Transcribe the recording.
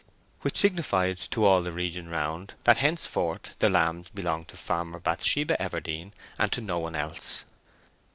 which signified to all the region round that henceforth the lambs belonged to Farmer Bathsheba Everdene, and to no one else.